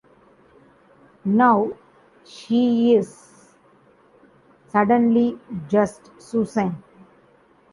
Now, she's suddenly just Susan.